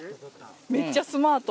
めっちゃスマート。